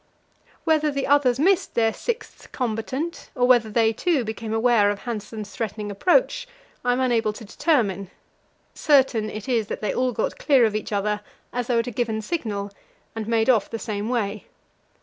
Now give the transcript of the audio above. Whether the others missed their sixth combatant, or whether they, too, became aware of Hanssen's threatening approach, I am unable to determine; certain it is that they all got clear of each other, as though at a given signal, and made off the same way.